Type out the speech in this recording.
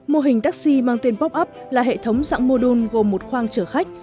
mô hình taxi mang tên pop up là hệ thống dạng mô đun gồm một khoang chở khách